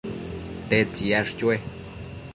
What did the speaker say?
¿tedtsi yash chue